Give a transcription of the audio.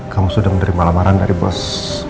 kamu sudah menerima lamaran dari bos